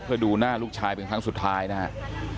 เพื่อดูหน้าลูกชายเป็นครั้งสุดท้ายนะครับ